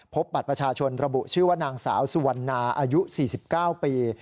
พบบัตรประชาชนระบุชื่อว่านางสาวสุวรรณาอายุ๔๙ปี